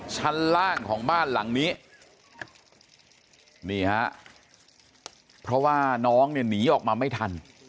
ชั้นล่างของบ้านหลังนี้นี่ฮะเพราะว่าน้องเนี่ยหนีออกมาไม่ทัน